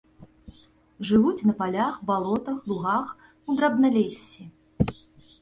Жывуць на палях, балотах, лугах, у драбналессі.